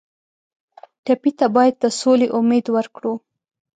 ټپي ته باید د سولې امید ورکړو.